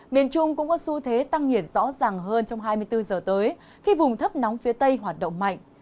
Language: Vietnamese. miền trung cũng có xu thế tăng nhiệt rõ ràng hơn trong hai mươi bốn giờ tới khi vùng thấp nóng phía tây hoạt động mạnh